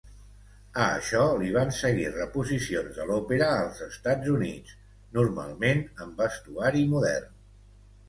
A això li van seguir reposicions de l'òpera als Estats Units, normalment en vestuari modern.